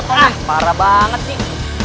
gapapa men parah banget sih